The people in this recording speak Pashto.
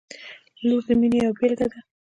• لور د مینې یوه بېلګه ده.